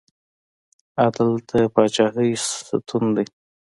عدل د پاچاهۍ ستون دی